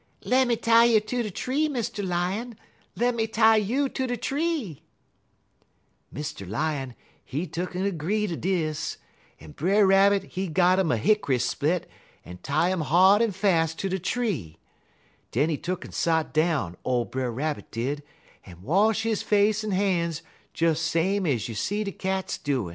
"'Lemme tie you ter de tree, Mr. Lion! lemme tie you ter de tree!' "Mr. Lion, he tuk'n 'gree ter dis, en Brer Rabbit, he got 'im a hick'ry split en tie 'im hard en fast ter de tree. Den he tuck'n sot down, ole Brer Rabbit did, en wash his face en han's des same ez you see de cats doin'.